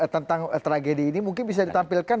tentang tragedi ini mungkin bisa ditampilkan